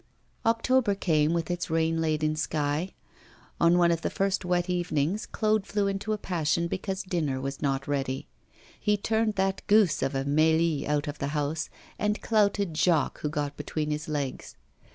October came with its rain laden sky. On one of the first wet evenings Claude flew into a passion because dinner was not ready. He turned that goose of a Mélie out of the house and clouted Jacques, who got between his legs.